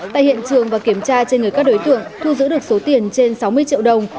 tại hiện trường và kiểm tra trên người các đối tượng thu giữ được số tiền trên sáu mươi triệu đồng